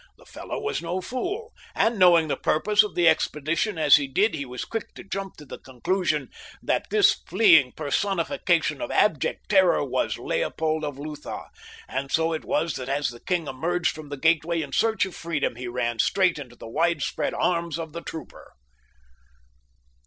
The fellow was no fool, and knowing the purpose of the expedition as he did he was quick to jump to the conclusion that this fleeing personification of abject terror was Leopold of Lutha; and so it was that as the king emerged from the gateway in search of freedom he ran straight into the widespread arms of the trooper.